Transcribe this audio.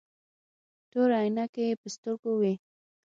تورې عينکې يې په سترګو وې.